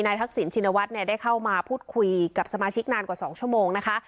ทักษิณชินวัฒน์เนี่ยได้เข้ามาพูดคุยกับสมาชิกนานกว่า๒ชั่วโมงนะคะ